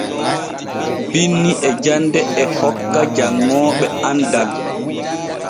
Binni e jande e hokka janŋooɓe andal.